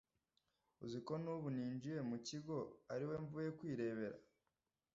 Uzi ko n’ubu ninjiye mu kigo ari we mvuye kwirebera!